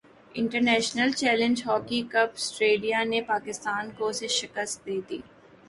international challenge hockey cup Australia نے پاکستان کو سے شکست دے دی